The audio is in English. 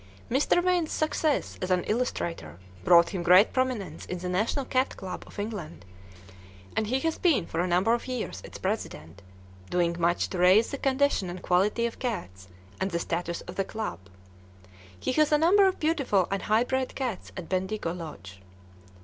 Mr. Wain's success as an illustrator brought him great prominence in the National Cat Club of England, and he has been for a number of years its president, doing much to raise the condition and quality of cats and the status of the club. He has a number of beautiful and high bred cats at Bendigo Lodge.